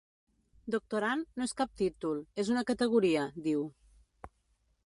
Doctorand no és cap títol, és una categoria, diu.